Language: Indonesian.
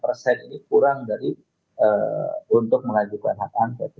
lima belas persen itu kurang untuk mengajukan hak angkat